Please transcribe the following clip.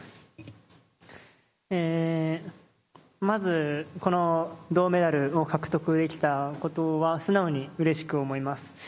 まず、この銅メダルを獲得できたことは、素直にうれしく思います。